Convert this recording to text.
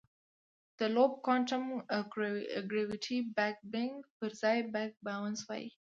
د لوپ کوانټم ګرویټي بګ بنګ پر ځای بګ باؤنس وایي.